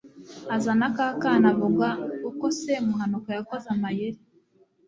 azana ka kana avuga uko semuhanuka yakoze amayeri